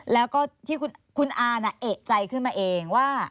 แล้วก็ที่คุณอาเอกใจขึ้นมาเองว่า